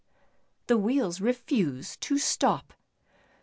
The wheels refused to stop.